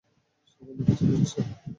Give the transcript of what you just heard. সে কোনো কিছু খুজছে।